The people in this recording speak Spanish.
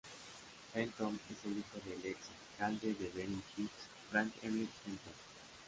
Fenton es el hijo del ex alcalde de Beverly Hills, Frank M. Fenton.